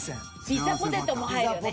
ピザポテトも入るよね。